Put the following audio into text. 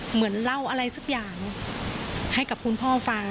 เหมือนเล่าอะไรสักอย่างให้กับคุณพ่อฟัง